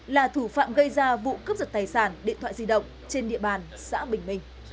là thủ phạm gây ra vụ cướp giật tài sản điện thoại di động trên địa bàn xã bình minh